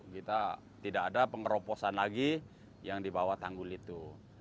kita tidak ada pengeroposan lagi yang di bawah tanggul itu